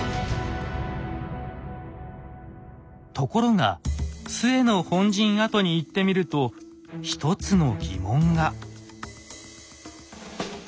ところが陶の本陣跡に行ってみると一つの疑問が。